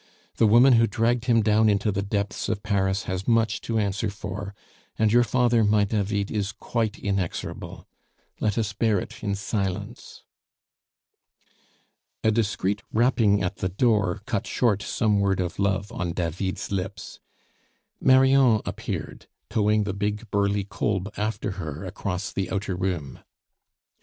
"The woman who dragged him down into the depths of Paris has much to answer for; and your father, my David, is quite inexorable! Let us bear it in silence." A discreet rapping at the door cut short some word of love on David's lips. Marion appeared, towing the big, burly Kolb after her across the outer room.